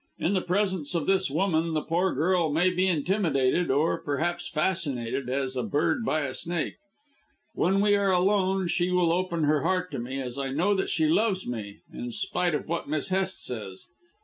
"In the presence of this woman the poor girl may be intimidated, or perhaps fascinated as is a bird by a snake. When we are alone she will open her heart to me, as I know that she loves me, in spite of what Miss Hest says.